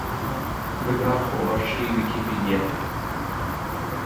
ببە خۆبەخشی ویکیپیدیا